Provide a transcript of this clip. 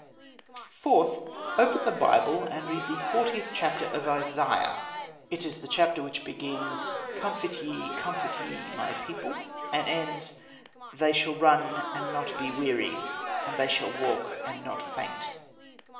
Fourth: Open the Bible and read the fortieth chapter of Isaiah. It is the chapter which begins, "Comfort ye, comfort ye, my people," and ends, "They shall run and not be weary, and they shall walk and not faint."